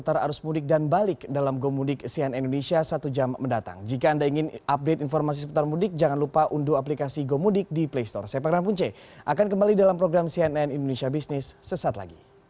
terima kasih yogi tujuliarto atas laporan anda